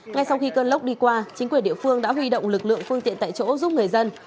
ngay sau khi cơn lốc đi qua chính quyền địa phương đã huy động lực lượng phương tiện tại chỗ giúp người dân